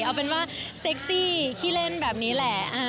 เอาเป็นว่าเซ็กซี่ขี้เล่นแบบนี้แหละ